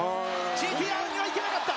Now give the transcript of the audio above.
ＧＴＲにはいけなかった。